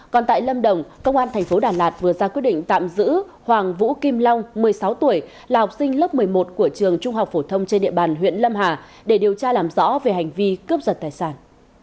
còn tại lâm đồng công an thành phố đà lạt vừa ra quyết định tạm giữ hoàng vũ kim long một mươi sáu tuổi là học sinh lớp một mươi một của trường trung học phổ thông trên địa bàn huyện lâm hà để điều tra làm rõ về hành vi cướp giật tài sản